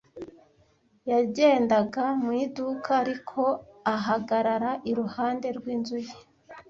Yagendaga mu iduka, ariko ahagarara iruhande rw'inzu ye.